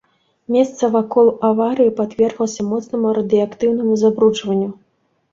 Месца вакол аварыі падверглася моцнаму радыеактыўнаму забруджванню.